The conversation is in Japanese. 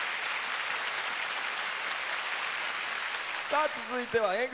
さあ続いてはＡぇ！